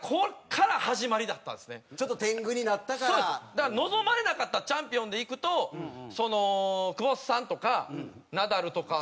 だから望まれなかったチャンピオンでいくと久保田さんとかナダルとかを。